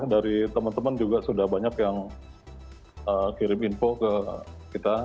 dari temen temen juga sudah banyak yang eee kirim info ke kita